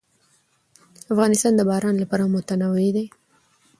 افغانستان د باران له پلوه متنوع دی.